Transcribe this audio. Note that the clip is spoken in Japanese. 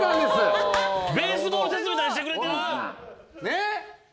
ねっ！